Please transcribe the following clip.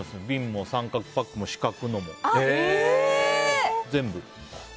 瓶も、三角パックも四角のも、全部。